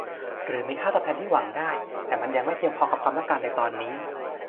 หรือมีค่าตอบแทนที่หวังได้แต่มันยังไม่เพียงพอกับความต้องการในตอนนี้